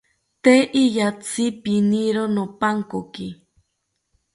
Tee iyatzi piniro nopankoki